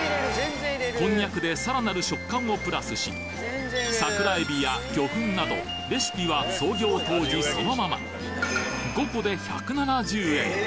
こんにゃくでさらなる食感をプラスし桜えびや魚粉などレシピは創業当時そのまま５個で１７０円